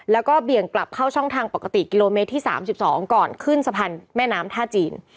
แล้วก็เบี่ยงกลับเข้าช่องทางปกติกิโลเมตรที่๓๒ก่อนขึ้นสะพานแม่น้ำท่าจีน